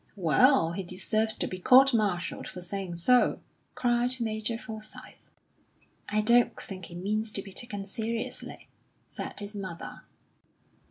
"Well, he deserves to be court martialled for saying so! "cried Major Forsyth. "I don't think he means to be taken seriously," said his mother.